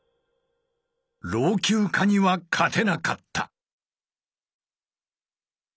老朽化には勝てなかった。